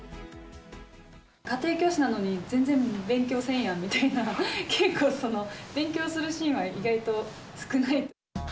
家庭教師なのに全然勉強せんやんみたいな、結構、勉強するシーンは意外と少ない。